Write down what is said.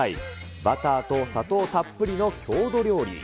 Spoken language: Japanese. バターと砂糖たっぷりの郷土料理。